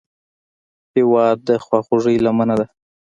هېواد د خواخوږۍ لمنه ده.